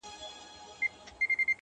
گراني دې ځاى كي دغه كار وچاته څه وركوي~